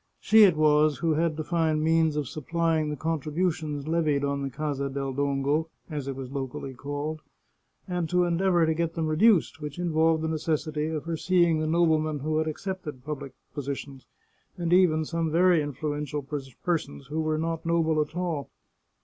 She it was who had to find means of supplying the contributions levied on the Casa del 7 The Chartreuse of Parma Dongo, as it was locally called, and to endeavour to get them reduced, which involved the necessity of her seeing the noblemen who had accepted public positions, and even some very influential persons who were not noble at all.